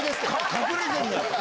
隠れてんだよ。